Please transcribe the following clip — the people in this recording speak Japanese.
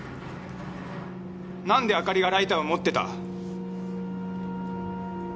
なんで朱莉がライターを持ってた？